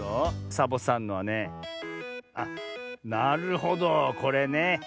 サボさんのはねあっなるほどこれね。